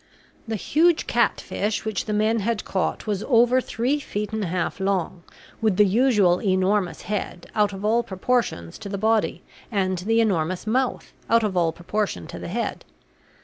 The huge catfish which the men had caught was over three feet and a half long, with the usual enormous head, out of all proportions to the body, and the enormous mouth, out of all proportion to the head.